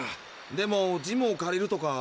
でもジムを借りるとか。